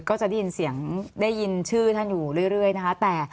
ก็จะได้ยินเสียงได้ยินชื่อท่านอยู่เรื่อยนะคะ